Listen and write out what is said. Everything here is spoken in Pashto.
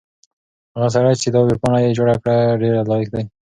هغه سړی چې دا ویبپاڼه یې جوړه کړې ډېر لایق دی.